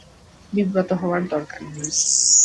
বিব্রত হওয়ার দরকার নেই।